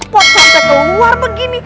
pocong ke luar begini